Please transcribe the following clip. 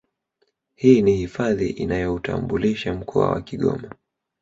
Hii ni hifadhi inayoutambulisha mkoa wa Kigoma